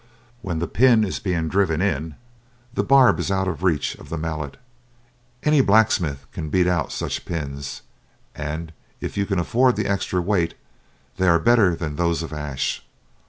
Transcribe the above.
When the pin is being driven in, the barb is out of reach of the mallet. Any blacksmith can beat out such pins, and if you can afford the extra weight, they are better than those of ash.